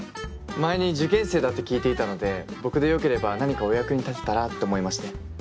前に受験生だって聞いていたので僕でよければ何かお役に立てたらって思いまして。